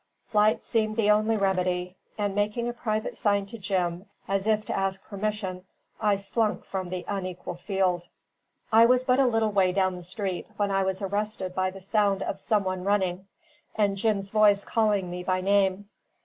Flight seemed the only remedy; and making a private sign to Jim, as if to ask permission, I slunk from the unequal field. I was but a little way down the street, when I was arrested by the sound of some one running, and Jim's voice calling me by name.